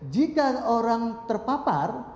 jika orang terpapar